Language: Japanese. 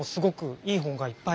いい本がいっぱい。